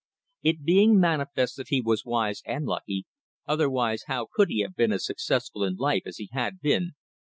It being manifest that he was wise and lucky otherwise how could he have been as successful in life as he had been?